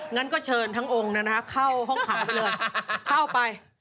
งั้นก็เชิญทั้งองค์เข้าห้องขังไปเลยเข้าไป